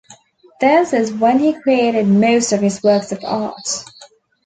This is when he created most of his works of art.